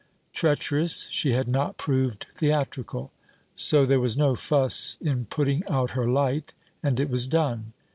Treacherous, she had not proved theatrical. So there was no fuss in putting out her light, and it was done.